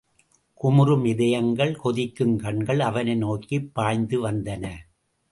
குமுறும் இதயங்கள், கொதிக்கும் கண்கள் அவனை நோக்கிப் பாய்ந்து வந்தன.